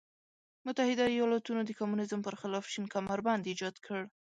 متحده ایالتونو د کمونیزم پر خلاف شین کمربند ایجاد کړ.